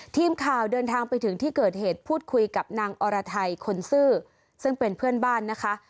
ทีมข่าวเดินทางไปถึงที่เกิดเหตุพูดคุยกับนางอรไทยคนซื่อซึ่งเป็นเพื่อนบ้านนะคะ